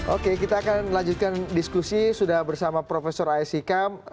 oke kita akan melanjutkan diskusi sudah bersama prof a s ikam